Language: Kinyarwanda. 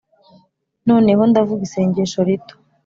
noneho, ndavuga isengesho rito